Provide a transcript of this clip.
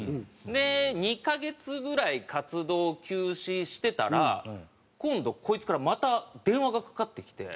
で２カ月ぐらい活動休止してたら今度こいつからまた電話がかかってきて。